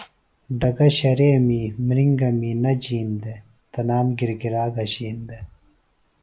ڈگہ، شریمی توبکِیم نہ جِین دےۡ تنام گِرگِرا گھشِین دےۡ۔